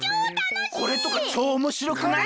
これとかちょうおもしろくない？